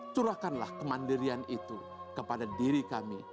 curahkanlah kemandirian itu kepada diri kami